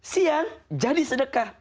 siang jadi sedekah